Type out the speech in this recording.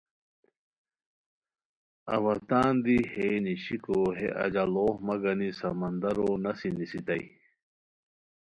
اوا تان دی ہے نیشیکو ہے اجاڑوغ مہ گانی سمندرو نسی نیستائے